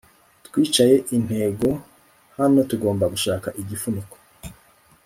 Twicaye intego hano Tugomba gushaka igifuniko